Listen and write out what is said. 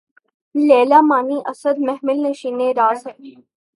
لیلیِ معنی اسد! محمل نشینِ راز ہے